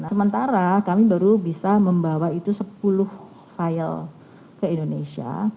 nah sementara kami baru bisa membawa itu sepuluh file ke indonesia